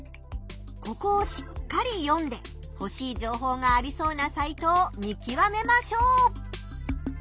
ここをしっかり読んでほしい情報がありそうなサイトを見きわめましょう！